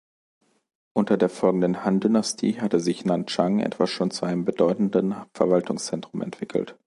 Unter der folgenden Han-Dynastie hatte sich Nanchang etwa schon zu einem bedeutenden Verwaltungszentrum entwickelt.